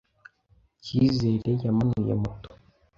Cyizere yamanuye moto.